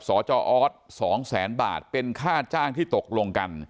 จออส๒แสนบาทเป็นค่าจ้างที่ตกลงกัน